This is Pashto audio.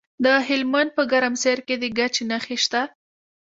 د هلمند په ګرمسیر کې د ګچ نښې شته.